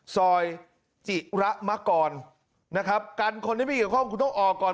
ซอยจิระมกรนะครับกันคนที่ไม่เกี่ยวข้องคุณต้องออกก่อน